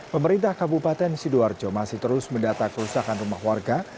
pemerintah kabupaten sidoarjo masih terus mendata kerusakan rumah warga